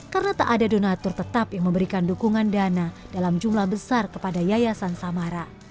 karena tak ada donatur tetap yang memberikan dukungan dana dalam jumlah besar kepada yayasan samara